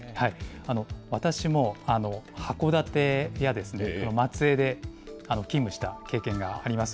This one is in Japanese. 私も函館や松江で勤務した経験があります。